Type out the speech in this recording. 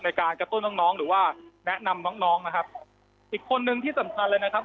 กระตุ้นน้องน้องหรือว่าแนะนำน้องน้องนะครับอีกคนนึงที่สำคัญเลยนะครับ